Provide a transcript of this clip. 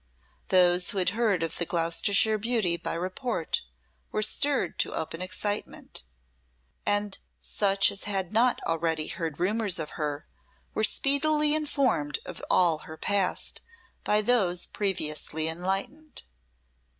Those who had heard of the Gloucestershire beauty by report were stirred to open excitement, and such as had not already heard rumours of her were speedily informed of all her past by those previously enlightened.